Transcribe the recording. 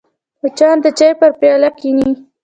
مچان د چای پر پیاله کښېني